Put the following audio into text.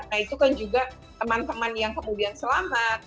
nah itu kan juga teman teman yang kemudian selamat